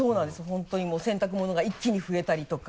本当にもう洗濯物が一気に増えたりとか。